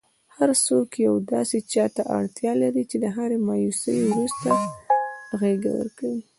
هرڅوک یو داسي چاته اړتیا لري چي د هري مایوسۍ وروسته غیږه ورکړئ.!